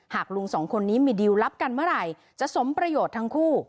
หากลุงสองคนนี้มีดิวลลับกันเมื่อไหร่จะสมประโยชน์ทั้งคู่